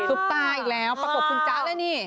ซุปป้าอีกแล้วประกบคุณจ้าแล้วนี่